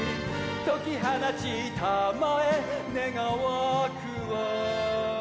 「とき放ちたまえ願わくは」